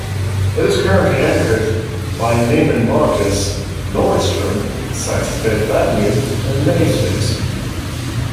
It is currently anchored by Neiman Marcus, Nordstrom, Saks Fifth Avenue, and Macy's.